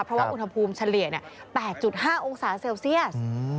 เพราะว่าอุณหภูมิเฉลี่ย๘๕องศาเซลเซียส